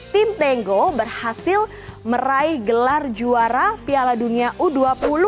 tim tango berhasil meraih gelar juara piala dunia u dua puluh